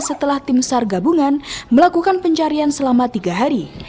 setelah tim sar gabungan melakukan pencarian selama tiga hari